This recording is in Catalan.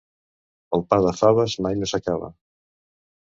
El pa de faves mai no s'acaba.